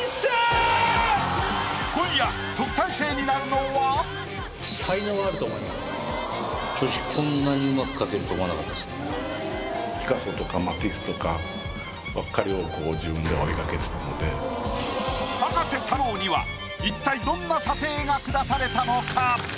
今夜正直葉加瀬太郎には一体どんな査定が下されたのか？